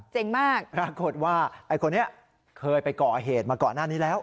มากปรากฏว่าไอ้คนนี้เคยไปก่อเหตุมาก่อนหน้านี้แล้ว